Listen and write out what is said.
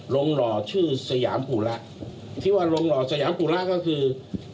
หล่อชื่อสยามกุระที่ว่าลงหล่อสยามกุระก็คือ